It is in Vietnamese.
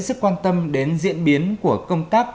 sức quan tâm đến diễn biến của công tác